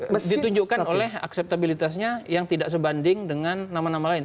tapi dia memilih akseptabilitasnya yang tidak sebanding dengan nama nama lain